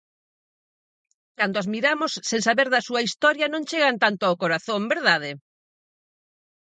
Cando as miramos sen saber da súa historia non chegan tanto ao corazón, verdade?